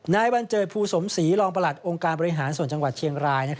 นายบัญเจิดภูสมศรีรองประหลัดองค์การบริหารส่วนจังหวัดเชียงราย